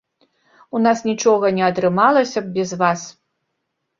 У нас нічога не атрымалася б без вас.